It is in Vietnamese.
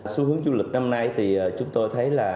xu hướng du lịch năm nay thì chúng tôi thấy là